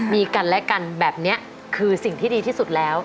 มีกันและกันแบบนี้คือสิ่งที่ดีที่สุดแล้ว